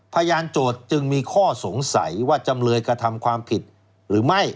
โจทย์จึงมีข้อสงสัยว่าจำเลยกระทำความผิดหรือไม่